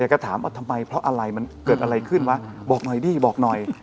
ก็ถามว่าทำไมเพราะอะไรมันเกิดอะไรขึ้นวะบอกหน่อยดิบอกหน่อย